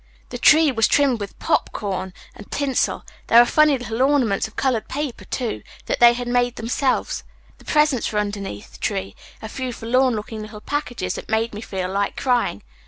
"The tree was trimmed with popcorn and tinsel. There were funny little ornaments of colored paper, too, that they had made themselves. The presents were underneath the tree, a few forlorn looking little packages that made me feel like crying.